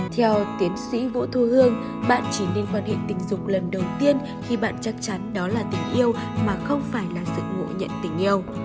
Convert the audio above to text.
theo tiến sĩ vũ thu hương bạn chỉ nên quan hệ tình dục lần đầu tiên khi bạn chắc chắn đó là tình yêu mà không phải là sự ngộ nhận tình yêu